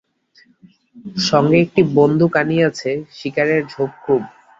সঙ্গে একটি বন্দুক আনিয়াছে, শিকারের ঝোঁক খুব।